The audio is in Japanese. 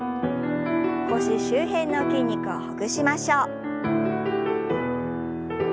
腰周辺の筋肉をほぐしましょう。